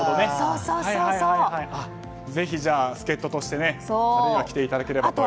ぜひ、助っ人として来ていただければと。